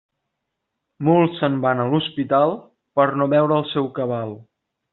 Molts se'n van a l'hospital per no veure el seu cabal.